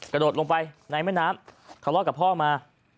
กระโดดลงไปนายแม่น้ำเขารอดกับพ่อมา